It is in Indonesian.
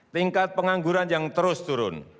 tingkat pengangguran yang terus turun